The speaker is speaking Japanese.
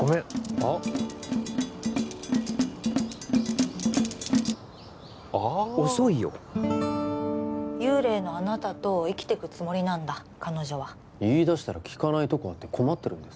あっああ遅いよ幽霊のあなたと生きてくつもりなんだ彼女は言いだしたら聞かないとこあって困ってるんです